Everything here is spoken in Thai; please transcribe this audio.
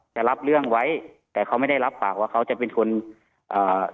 จะรับเรื่องไว้แต่เขาไม่ได้รับปากว่าเขาจะเป็นคนอ่า